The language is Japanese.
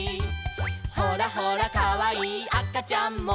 「ほらほらかわいいあかちゃんも」